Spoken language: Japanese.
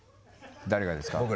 誰がですか？